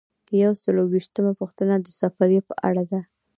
یو سل او یو ویشتمه پوښتنه د سفریې په اړه ده.